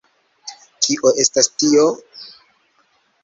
Kio estas tio?